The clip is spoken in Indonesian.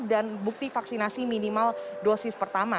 dan bukti vaksinasi minimal dosis pertama